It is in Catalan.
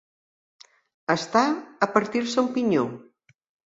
Estar a partir-se un pinyó.